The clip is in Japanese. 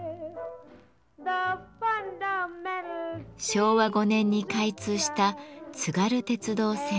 昭和５年に開通した津軽鉄道線。